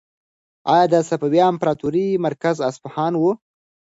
ایا د صفوي امپراطورۍ مرکز اصفهان و؟